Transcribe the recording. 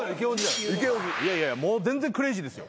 いやいやもう全然クレイジーですよ。